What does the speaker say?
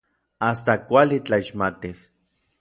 Asta kuali tlaixmatis.